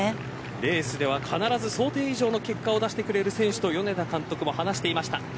レースでは必ず想定以上の結果を出してくれる選手と米田監督も話していました。